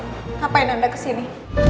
ngapain anda kesini